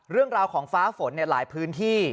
เรื่องราวของฟ้าฝนหลายพื้นที่